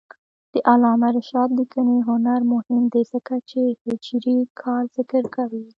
د علامه رشاد لیکنی هنر مهم دی ځکه چې هجري کال ذکر کوي.